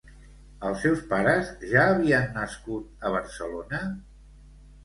Els seus pares ja havien nascut a Barcelona?